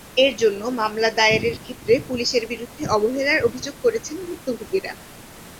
এর জন্য মামলা দায়েরের ক্ষেত্রে পুলিশের বিরুদ্ধে অবহেলার অভিযোগ করেছেন ভুক্তভোগীরা।